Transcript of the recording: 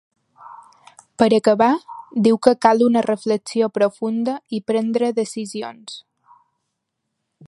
Per acabar, diu que ‘cal una reflexió profunda i prendre decisions’.